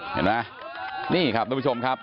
เห็นไหมนี่ครับทุกผู้ชมครับ